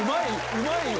うまいよ。